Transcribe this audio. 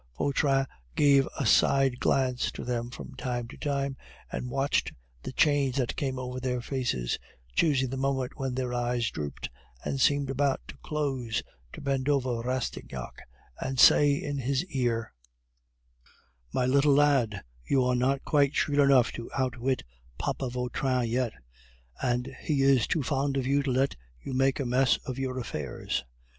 Vautrin gave a side glance at them from time to time, and watched the change that came over their faces, choosing the moment when their eyes drooped and seemed about to close, to bend over Rastignac and to say in his ear: "My little lad, you are not quite shrewd enough to outwit Papa Vautrin yet, and he is too fond of you to let you make a mess of your affairs.